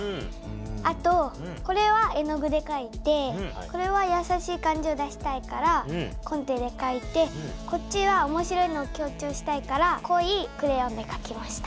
あとこれは絵の具でかいてこれはやさしい感じを出したいからコンテでかいてこっちは面白いのを強調したいからこいクレヨンでかきました。